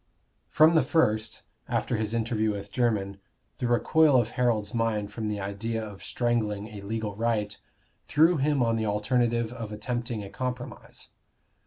From the first, after his interview with Jermyn, the recoil of Harold's mind from the idea of strangling a legal right threw him on the alternative of attempting a compromise.